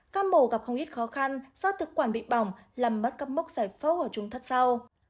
các mổ gặp không ít khó khăn do thực quản bị bỏng làm mất các mốc giải phấu của chúng thất sau